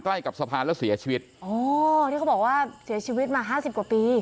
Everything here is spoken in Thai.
ใกล้กับสะพานแล้วเสียชีวิตอ๋อที่เขาบอกว่าเสียชีวิตมาห้าสิบกว่าปี